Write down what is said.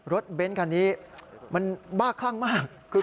รถเบนส์คันนี้มันบ้าคล่างมาก